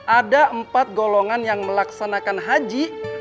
ada empat golongan yang melaksanakan haji